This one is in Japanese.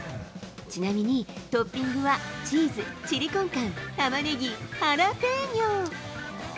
ちなみに、トッピングはチーズ、チリコンカン、タマネギ、ハラペーニョ。